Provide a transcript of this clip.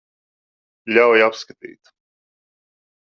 Ļauj apskatīt.